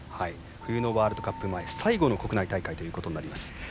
冬のワールドカップ前最後の国内大会ということになります。